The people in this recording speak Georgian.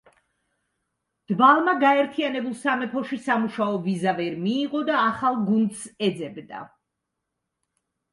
დვალმა გაერთიანებულ სამეფოში სამუშაო ვიზა ვერ მიიღო და ახალ გუნდს ეძებდა.